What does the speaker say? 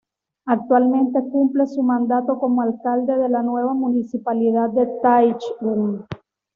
Actualmente cumple su mandato como alcalde de la nueva Municipalidad de Taichung.